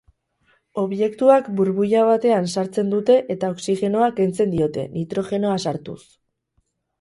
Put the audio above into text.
Objektuak burbuila batean sartzen dute eta oxigenoa kentzen diote, nitrogenoa sartuz.